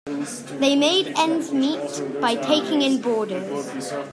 They made ends meet by taking in boarders.